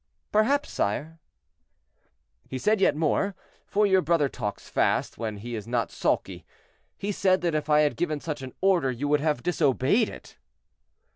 "Perhaps, sire." "He said yet more, for your brother talks fast when he is not sulky; he said that if I had given such an order you would have disobeyed it."